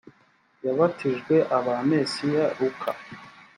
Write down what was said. yabatijwe aba mesiya luka